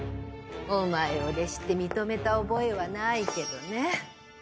お前を弟子って認めた覚えはないけどね。